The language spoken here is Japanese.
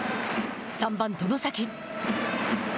３番外崎。